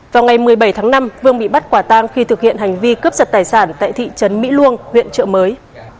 vào ngày một mươi bảy tháng năm vương bị bắt quả tang khi thực hiện hành vi cướp giật tài sản tại thị trấn mỹ luông huyện trợ mới